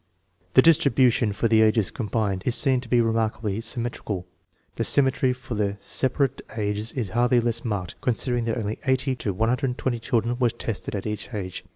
The distribution for the ages combined is seen to be re markably symmetrical. The symmetry for the separate ages was hardly less marked, considering that only 80 to 10 children were tested at each age.